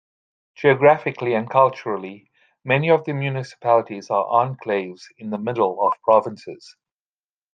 Geographically and culturally, many of the municipalities are enclaves in the middle of provinces.